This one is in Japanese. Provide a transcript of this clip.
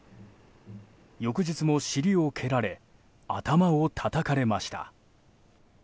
翌日も尻を蹴られ頭をたたかれました。